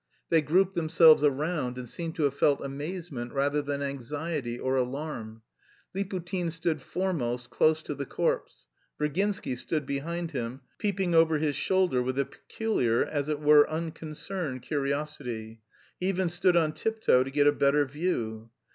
They grouped themselves around and seemed to have felt amazement rather than anxiety or alarm. Liputin stood foremost, close to the corpse. Virginsky stood behind him, peeping over his shoulder with a peculiar, as it were unconcerned, curiosity; he even stood on tiptoe to get a better view.